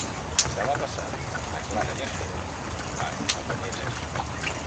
Demà passat na Clara i en Nil van a Penelles.